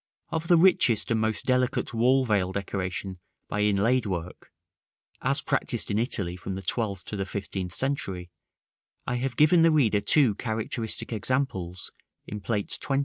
Of the richest and most delicate wall veil decoration by inlaid work, as practised in Italy from the twelfth to the fifteenth century, I have given the reader two characteristic examples in Plates XX.